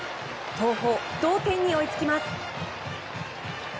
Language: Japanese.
東邦、同点に追いつきます。